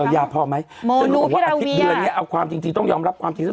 ยาพอไหมอาทิตย์เดือนนี้เอาความจริงต้องยอมรับความจริงสินะ